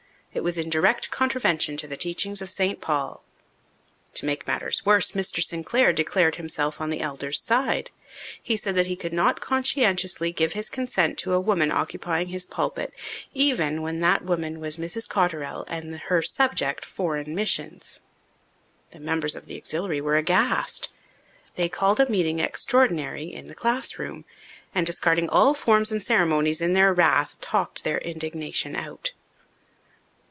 It was in direct contravention to the teachings of St. Paul. To make matters worse, Mr. Sinclair declared himself on the elders' side. He said that he could not conscientiously give his consent to a woman occupying his pulpit, even when that woman was Mrs. Cotterell and her subject foreign missions. The members of the Auxiliary were aghast. They called a meeting extraordinary in the classroom and, discarding all forms and ceremonies in their wrath, talked their indignation out.